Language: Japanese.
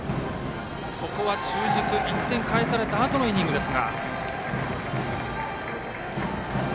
ここは中軸１点返されたあとのイニングです。